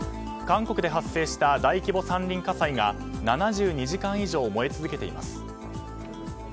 韓国で発生した大規模山林火災が７２時間以上燃え続けています。